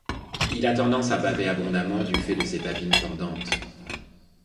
Il a tendance à baver abondamment du fait de ses babines pendantes.